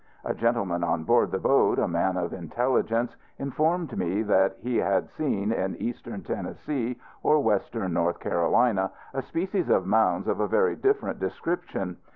A gentleman on board the boat, a man of intelligence, informed me, that he had seen, in Eastern Tennessee or Western North Carolina, a species of mounds of a very different description.